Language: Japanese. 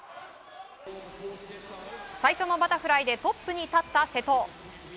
最初のバタフライでトップに立った瀬戸。